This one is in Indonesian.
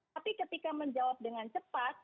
tapi ketika menjawab dengan cepat